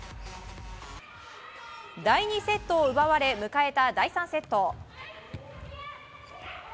第２セットを奪われ迎えた第３セット。